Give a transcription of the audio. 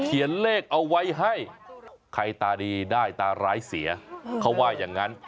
เขียนเลขเอาไว้ให้ใครตาดีได้ตาร้ายเสียเขาว่าอย่างนั้น